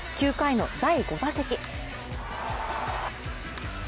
９回の第５打席。